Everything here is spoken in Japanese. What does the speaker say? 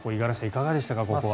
いかがでしたか、ここは。